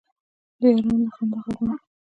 د یارانو د خندا غـږونه اورم